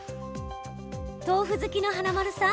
豆腐好きの華丸さん